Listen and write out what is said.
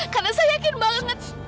karena saya yakin banget